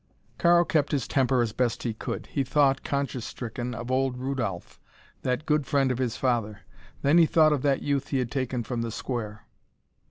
Karl kept his temper as best he could. He thought, conscience stricken, of old Rudolph, that good friend of his father. Then he thought of that youth he had taken from the Square.